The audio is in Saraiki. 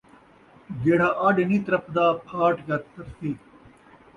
جیڑھا اݙ نئیں ترپدا، پھاٹ کیا ترسی